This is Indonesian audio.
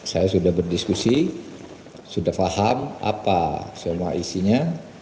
saya sudah berdiskusi sudah paham apa semua isinya